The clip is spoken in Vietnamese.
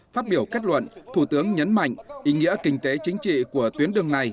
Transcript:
phát biểu kết luận thủ tướng nhấn mạnh ý nghĩa kinh tế chính trị của tuyến đường này